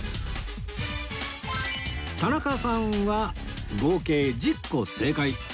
田中さんは合計１０個正解